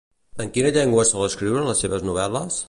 En quina llengua sol escriure les seves novel·les?